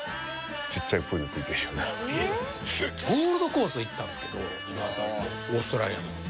ゴールドコースト行ったんですけど今田さんとオーストラリアの。